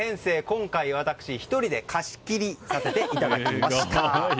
今回、私は１人で貸し切りさせていただきました。